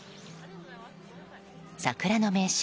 桜の名所